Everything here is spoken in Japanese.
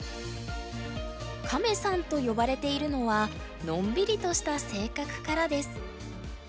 「カメさん」と呼ばれているのはのんびりとした性格からです。